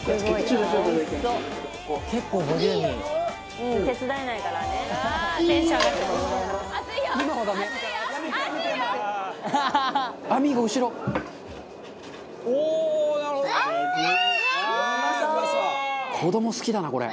中丸：子ども、好きだな、これ。